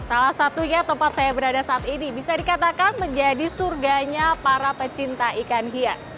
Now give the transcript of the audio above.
salah satunya tempat saya berada saat ini bisa dikatakan menjadi surganya para pecinta ikan hias